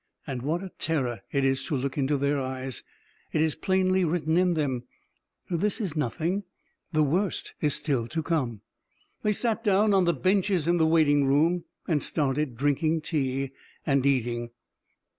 And what a terror it is to look into their eyes. It is plainly written in them: "This is nothing, the worst is still to come." They sat down on the benches in the waiting room, and started drinking tea, and eating.